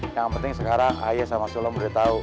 yang penting sekarang ayah sama sulam memberitahu